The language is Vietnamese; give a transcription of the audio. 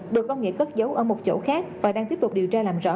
được công nghĩa cất giấu ở một chỗ khác và đang tiếp tục điều tra làm rõ